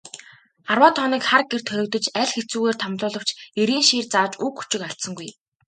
Арваад хоног хар гэрт хоригдож, аль хэцүүгээр тамлуулавч эрийн шийр зааж үг өчиг алдсангүй.